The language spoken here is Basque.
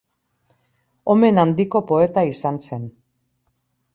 Omen handiko poeta izan zen.